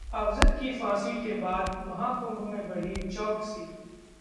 अफजल की फांसी के बाद महाकुंभ में बढ़ी चौकसी